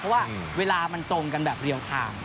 เพราะว่าเวลามันตรงกันแบบเรียลไทม์